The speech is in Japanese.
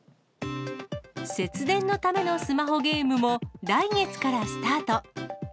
節電のためのスマホゲームも来月からスタート。